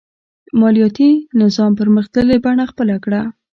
مالیاتي نظام پرمختللې بڼه خپله کړه.